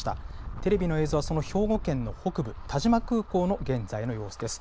テレビの映像は、その兵庫県の北部、但馬空港の現在の様子です。